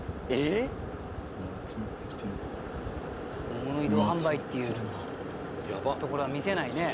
桃の移動販売っていうところは見せないね。